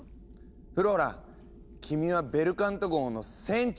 フローラ君はベルカント号の船長になるんだ。